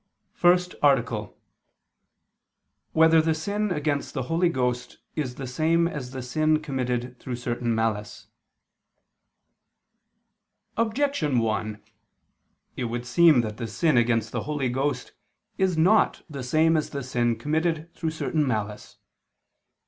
_______________________ FIRST ARTICLE [II II, Q. 14, Art. 1] Whether the Sin Against the Holy Ghost Is the Same As the Sin Committed Through Certain Malice? Objection 1: It would seem that the sin against the Holy Ghost is not the same as the sin committed through certain malice.